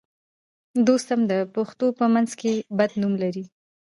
دوستم د پښتنو په منځ کې بد نوم لري